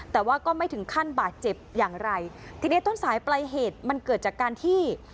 แต่ว่าก็ไม่ถึงขั้นบาดเจ็บอย่างไรทีนี้ต้นสายปลายเหตุมันเกิดจากการที่